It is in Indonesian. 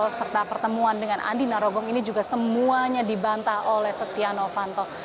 dan juga setiap pertemuan di narogong ini juga semuanya dibanta oleh setia novanto